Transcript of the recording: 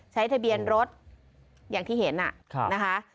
ใช้ทะเบียนรถอย่างที่เห็นนะคะ